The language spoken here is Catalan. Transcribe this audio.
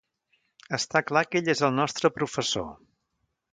Està clar que ell és el nostre professor.